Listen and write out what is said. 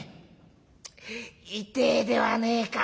痛えではねえか」。